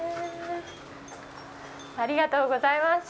ありがとうございます。